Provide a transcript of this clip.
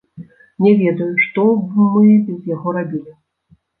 Не ведаю, што б мы без яго рабілі!